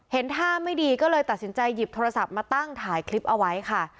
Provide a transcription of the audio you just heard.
ท่าไม่ดีก็เลยตัดสินใจหยิบโทรศัพท์มาตั้งถ่ายคลิปเอาไว้ค่ะ